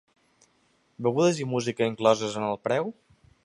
Begudes i música incloses en el preu?